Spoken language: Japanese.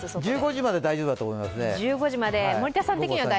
１５時まで大丈夫だと思いますね。